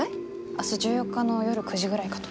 明日１４日の夜９時ぐらいかと。